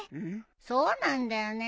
そうなんだよね。